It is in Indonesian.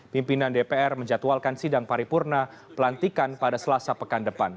pimpinan dpr menjatuhalkan sidang paripurna pelantikan pada selasa pekan depan